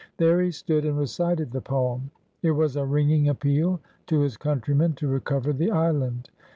There he stood and recited the poem. It was a ringing appeal to his countrymen to recover the island.